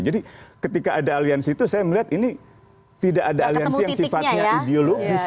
jadi ketika ada aliansi itu saya melihat ini tidak ada aliansi yang sifatnya ideologis